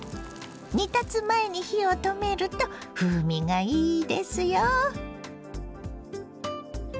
煮立つ前に火を止めると風味がいいですよ。